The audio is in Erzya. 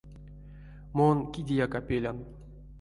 Мон кидеяк а пелян.